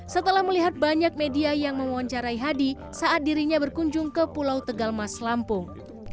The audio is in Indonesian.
setelah melihat banyak media yang mewawancarai hadi saat dirinya berkunjung ke pulau tegal mas lampung